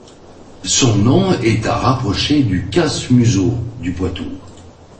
Son nom est à rapprocher du casse-museau du Poitou.